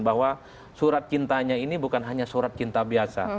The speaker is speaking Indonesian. bahwa surat cintanya ini bukan hanya surat cinta biasa